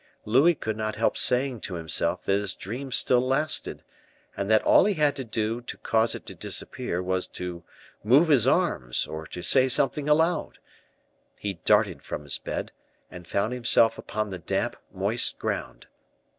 Louis could not help saying to himself that his dream still lasted, and that all he had to do to cause it to disappear was to move his arms or to say something aloud; he darted from his bed, and found himself upon the damp, moist ground.